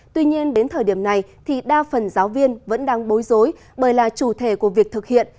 tuy nhiên đến thời điểm này thì đa phần giáo viên vẫn đang bối rối bởi là chủ thể của việc thực hiện